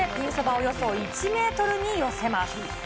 およそ１メートルに寄せます。